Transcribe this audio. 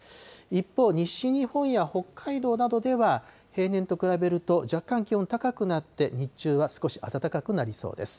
一方、西日本や北海道などでは平年と比べると若干気温高くなって、日中は少し暖かくなりそうです。